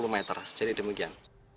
sepuluh meter jadi demikian